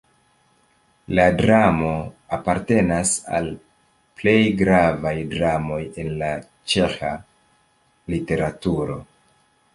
La dramo apartenas al plej gravaj dramoj en la ĉeĥa literaturo.